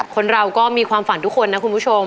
คนเราก็มีความฝันทุกคนนะคุณผู้ชม